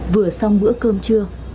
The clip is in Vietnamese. vừa xong bữa cơm trưa